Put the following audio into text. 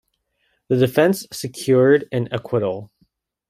The defence secured an acquittal.